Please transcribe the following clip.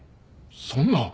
そんな。